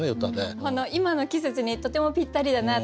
この今の季節にとてもぴったりだなと。